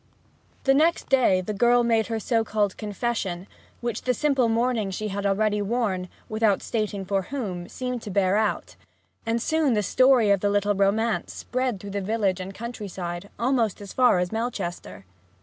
The next day the girl made her so called confession, which the simple mourning she had already worn, without stating for whom, seemed to bear out; and soon the story of the little romance spread through the village and country side, almost as far as Melchester.